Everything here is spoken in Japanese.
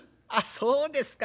そうですか。